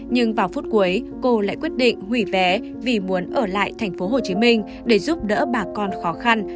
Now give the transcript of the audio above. nhưng vào phút cuối cô lại quyết định hủy vé vì muốn ở lại tp hcm để giúp đỡ bà con khó khăn